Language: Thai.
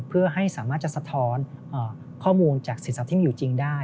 เพื่อให้สามารถจะสะท้อนข้อมูลจากสินทรัพย์ที่มีอยู่จริงได้